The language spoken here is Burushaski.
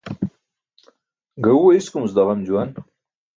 Gaẏuwe iskumuc daġam juwan.